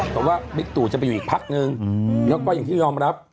แต่ว่าบิ๊กตู่จะไปอยู่อีกพักนึงแล้วก็อย่างที่ยอมรับ